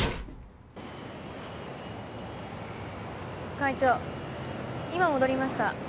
会長今戻りました。